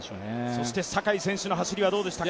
そして坂井選手の走りはどうでしたか？